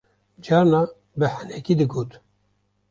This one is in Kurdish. carna bi henekî digot